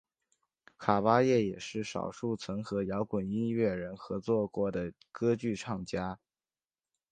卡芭叶也是少数曾和摇滚音乐人合作过的歌剧唱家。